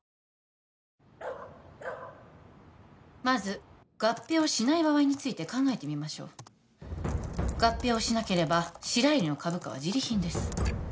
まず合併をしない場合について考えてみましょう合併をしなければ白百合の株価はジリ貧です